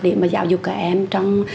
để mà giáo dục cả em trong